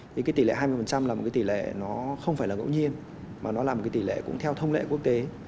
thì cái tỷ lệ hai mươi là một cái tỷ lệ nó không phải là ngẫu nhiên mà nó là một cái tỷ lệ cũng theo thông lệ quốc tế